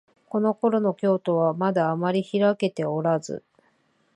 このころの京都は、まだあまりひらけておらず、